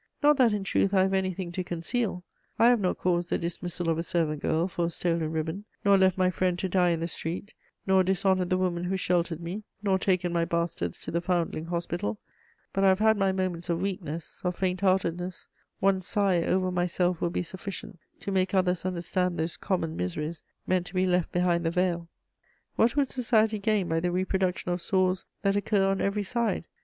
Not that, in truth, I have anything to conceal: I have not caused the dismissal of a servant girl for a stolen ribbon, nor left my friend to die in the street, nor dishonoured the woman who sheltered me, nor taken my bastards to the Foundling Hospital; but I have had my moments of weakness, of faint heartedness: one sigh over myself will be sufficient to make others understand those common miseries, meant to be left behind the veil. What would society gain by the reproduction of sores that occur on every side?